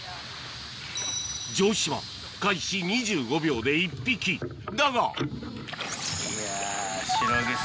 城島開始２５秒で１匹だがいや。